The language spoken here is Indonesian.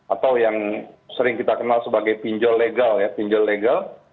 atau yang sering kita kenal sebagai pinjol legal ya pinjol legal